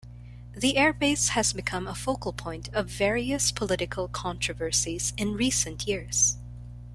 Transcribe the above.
The airbase has become a focal point of various political controversies in recent years.